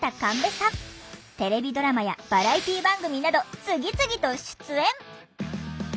テレビドラマやバラエティー番組など次々と出演！